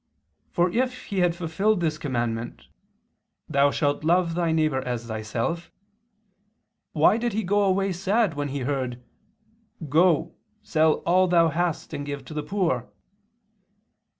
For if he had fulfilled this commandment, 'Thou shalt love thy neighbor as thyself,' why did he go away sad when he heard: Go, sell all thou hast and give to the poor?"